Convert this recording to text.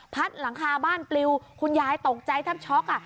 หลังคาบ้านปลิวคุณยายตกใจแทบช็อก